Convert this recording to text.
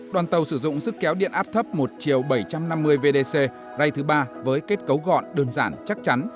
đoàn tàu sử dụng sức kéo điện áp thấp một chiều bảy trăm năm mươi vdc ray thứ ba với kết cấu gọn đơn giản chắc chắn